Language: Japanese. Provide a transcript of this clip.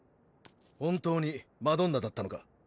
本当にマドンナだったのか？